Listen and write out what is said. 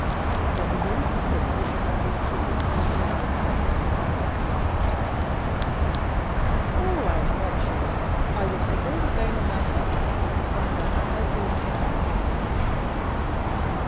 "Then you really consider we shall not be intruding if we pay our respects to him directly?" 20155m "Oh, I am quite sure. I will take all the blame on myself if you find I have led you into an error."